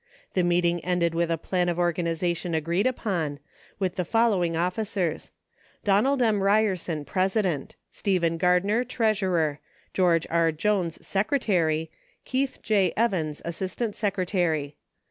The meeting ended with a plan of organization agreed upon, with the fol lowing officers : Donald M. Ryerson, President ; Stephen Gardner, Treasurer; George R. Jones, Secretary; Keith J. Evans, Assistant Secretary.